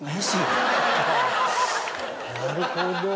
なるほど。